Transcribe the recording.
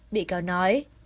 bị cáo nói